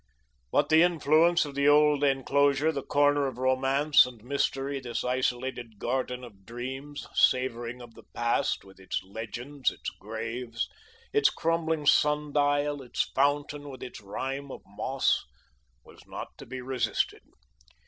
But the influence of the old enclosure, this corner of romance and mystery, this isolated garden of dreams, savouring of the past, with its legends, its graves, its crumbling sun dial, its fountain with its rime of moss, was not to be resisted.